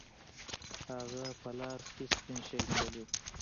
هغه په لاس کې سپین شی نیولی و.